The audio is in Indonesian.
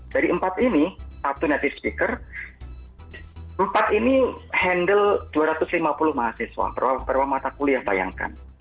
dari empat ini satu native speaker empat ini handle dua ratus lima puluh mahasiswa berapa mata kuliah bayangkan